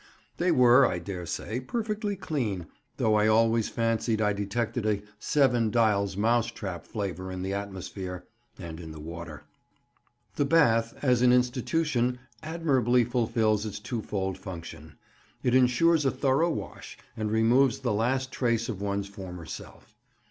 They were, I daresay, perfectly clean, though I always fancied I detected a Seven Dials mouse trap flavour in the atmosphere, and in the water. The bath, as an institution, admirably fulfils its twofold function; it insures a thorough wash, and removes the last trace of one's former self.